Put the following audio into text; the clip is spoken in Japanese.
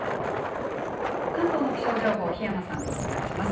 関東の気象情報、檜山さんとお伝えします。